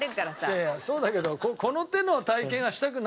いやいやそうだけどこの手の体験はしたくないんですよ